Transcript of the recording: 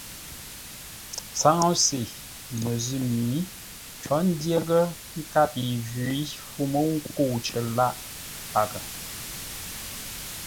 Tsáŋə́se məzʉ̂ mi có ndyəghʼə́ nkâp yi jwǐ fû mə́u ńkə̂u cər lâʼ paghʼə.